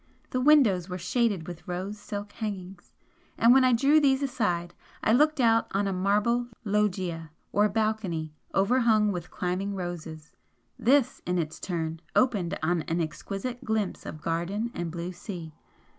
The windows were shaded with rose silk hangings and when I drew these aside I looked out on a marble loggia or balcony overhung with climbing roses, this, in its turn, opened on an exquisite glimpse of garden and blue sea.